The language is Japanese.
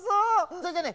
それじゃあね